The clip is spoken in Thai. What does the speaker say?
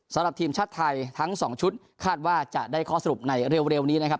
สำหรับทีมชาติไทยทั้ง๒ชุดคาดว่าจะได้ข้อสรุปในเร็วนี้นะครับ